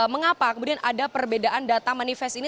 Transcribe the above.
mengapa kemudian ada perbedaan data manifest ini